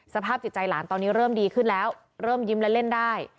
สภาพจิตใจหลานตอนนี้เริ่มดีขึ้นแล้วเริ่มยิ้มและเล่นได้